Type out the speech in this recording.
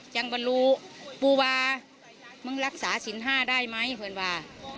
ยังบรรลูปูวามึงรักษาสินห้าได้ไหมเพื่อนว่า